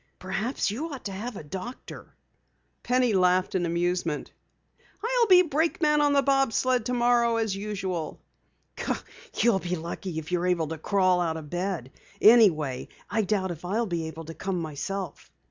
"Perhaps you ought to have a doctor." Penny laughed in amusement. "I'll be brake man on the bob sled tomorrow as usual." "You'll be lucky if you're able to crawl out of bed. Anyway, I doubt if I'll be able to come myself."